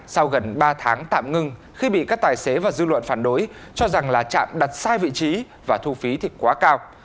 sau gần ba tháng tạm ngừng khi bị các tài xế và dư luận phản đối cho rằng là trạm đặt sai vị trí và thu phí thì quá cao